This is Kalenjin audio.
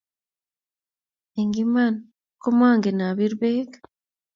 Eng' iman ko mangen apir bek.